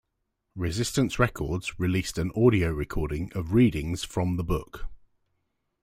Resistance Records released an audio recording of readings from the book.